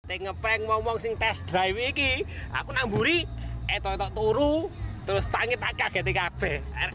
tengah prank ngomong si test drive ini aku namburi eto eto turu terus tangi takak ketika ke